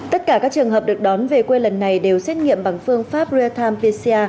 tất cả các trường hợp được đón về quê lần này đều xét nghiệm bằng phương pháp real time pcr